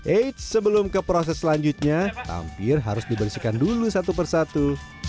eits sebelum ke proses selanjutnya tampir harus dibersihkan dulu satu persatu